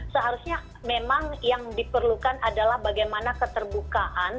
seharusnya memang yang diperlukan adalah bagaimana keterbukaan